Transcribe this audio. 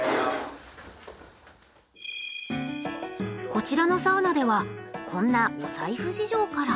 こちらのサウナではこんなお財布事情から。